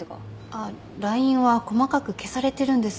あっＬＩＮＥは細かく消されてるんです。